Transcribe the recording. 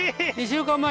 ２週間前？